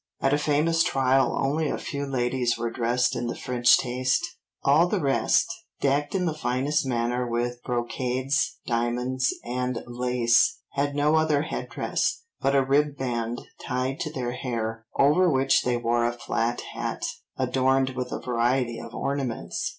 At a famous trial only a few ladies were dressed in the French taste. "All the rest, decked in the finest manner with brocades, diamonds, and lace, had no other head dress, but a ribband tied to their hair, over which they wore a flat hat, adorned with a variety of ornaments.